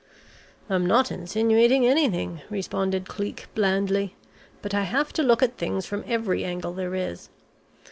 "I'm not insinuating anything," responded Cleek blandly, "but I have to look at things from every angle there is.